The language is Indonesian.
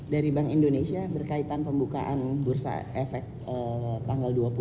dari bank indonesia berkaitan pembukaan bursa efek tanggal dua puluh